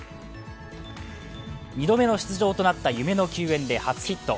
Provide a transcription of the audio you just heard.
２度目の出場となった夢の球宴で初ヒット。